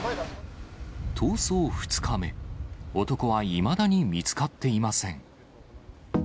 逃走２日目、男はいまだに見つかっていません。